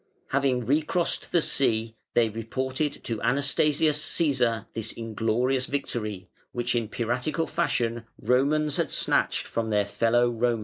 Having recrossed the sea they reported to Anastasius Cæsar this inglorious victory, which in piratical fashion Romans had snatched from their fellow Romans".